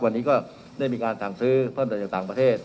วันนี้ก็ได้มีการสั่งซื้อเพิ่มเติมจากต่างประเทศ